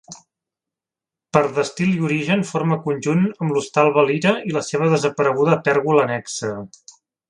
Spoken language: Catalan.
Per d’estil i origen forma conjunt amb l’Hostal Valira i la seva desapareguda pèrgola annexa.